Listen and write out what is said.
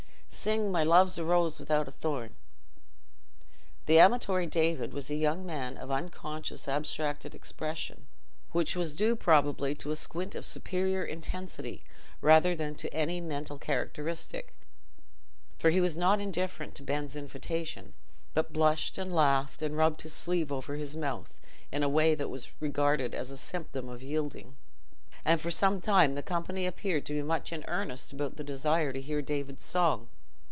"Sing 'My loove's a roos wi'out a thorn.'" The amatory David was a young man of an unconscious abstracted expression, which was due probably to a squint of superior intensity rather than to any mental characteristic; for he was not indifferent to Ben's invitation, but blushed and laughed and rubbed his sleeve over his mouth in a way that was regarded as a symptom of yielding. And for some time the company appeared to be much in earnest about the desire to hear David's song.